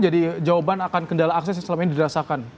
jadi jawaban akan kendala akses yang selama ini didasarkan